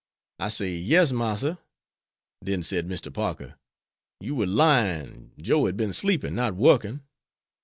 I say "Yes, Massa."' Then said Mr. Parker, 'You were lying, Joe had been sleeping, not working.'